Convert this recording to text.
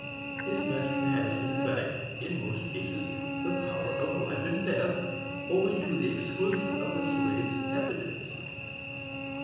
His master has, in fact, in most cases, the power of life and death, owing to the exclusion of the slave's evidence.